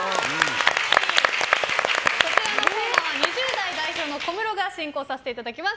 こちらのコーナー２０代代表の小室が進行させていただきます。